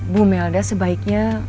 bu melda sebaiknya